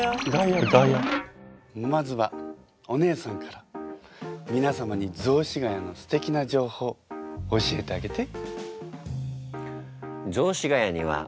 まずはお姉さんからみなさまに雑司が谷のすてきな情報教えてあげて。